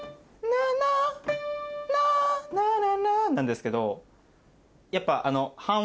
ナナナナなんですけどやっぱ。